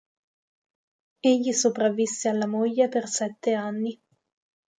Egli sopravvisse alla moglie per sette anni.